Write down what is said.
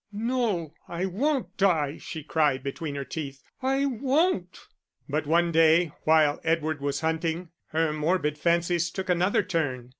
"No, I won't die," she cried between her teeth, "I won't!" But one day, while Edward was hunting, her morbid fancies took another turn.